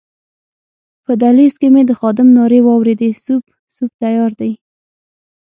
په دهلېز کې مې د خادم نارې واورېدې سوپ، سوپ تیار دی.